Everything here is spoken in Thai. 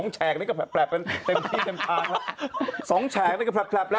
๒แชกนี้ก็แบบเป็นทางแล้ว